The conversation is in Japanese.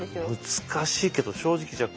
難しいけど正直じゃあ